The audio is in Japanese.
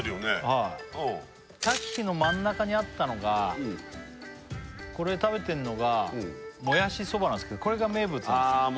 はいさっきの真ん中にあったのがこれ食べてんのがもやしそばなんですけどこれが名物なんですよああ